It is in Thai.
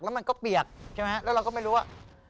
แล้วมันก็เปียกใช่ไหมแล้วเราก็ไม่รู้ว่า